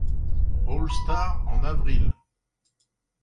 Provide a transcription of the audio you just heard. All-Stars en avril.